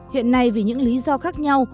hiện nay vì những lý do khác nhau